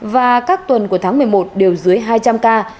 và các tuần của tháng một mươi một đều dưới hai trăm linh ca